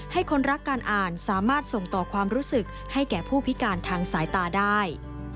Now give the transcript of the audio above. คนรักการอ่านสามารถส่งต่อความรู้สึกให้แก่ผู้พิการทางสายตาได้